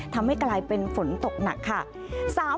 ทำให้กลายเป็นฝนตกหนักค่ะ